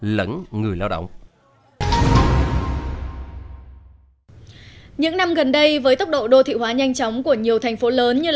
lẫn người lao động những năm gần đây với tốc độ đô thị hóa nhanh chóng của nhiều thành phố lớn như